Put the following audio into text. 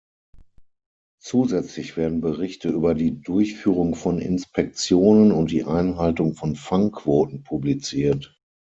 Zusätzlich werden Berichte über die Durchführung von Inspektionen und die Einhaltung von Fangquoten publiziert.